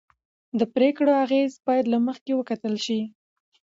د پرېکړو اغېز باید له مخکې وکتل شي